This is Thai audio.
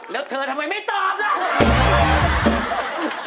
แล้วเธอทำไมไม่ตอบล่ะ